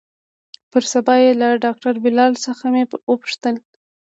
پر سبا يې له ډاکتر بلال څخه مې وپوښتل.